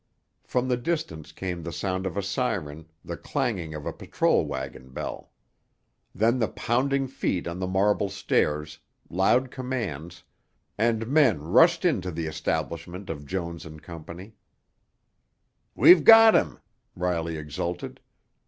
From the distance came the sound of a siren, the clanging of a patrol wagon bell. Then the pounding feet on the marble stairs, loud commands, and men rushed into the establishment of Jones & Co. "We've got him!" Riley exulted.